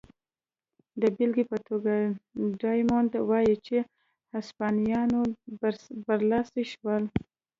د بېلګې په توګه ډایمونډ وايي چې هسپانویان برلاسي شول.